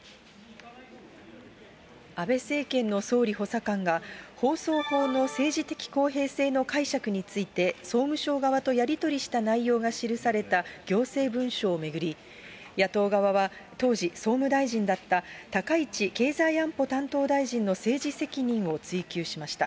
安倍政権の総理補佐官が、放送法の政治的公平性の解釈について総務省側とやり取りした内容が記された行政文書を巡り、野党側は、当時総務大臣だった高市経済安保担当大臣の政治責任を追及しました。